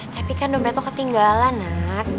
tapi kan dompet tuh ketinggalan nak